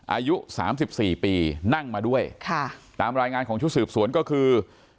อายุสามสิบสี่ปีนั่งมาด้วยค่ะตามรายงานของชุดสืบสวนก็คือ